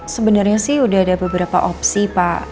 sebenarnya sih udah ada beberapa opsi pak